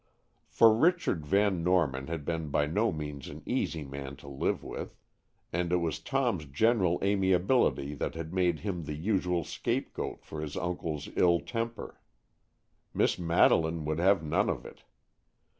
For Richard Van Norman had been by no means an easy man to live with. And it was Tom's general amiability that had made him the usual scapegoat for his uncle's ill temper. Miss Madeleine would have none of it.